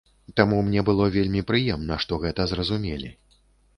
Таму мне было вельмі прыемна, што гэта зразумелі.